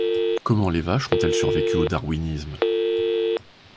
Comment les vaches ont-elles survécu au Darwinisme ?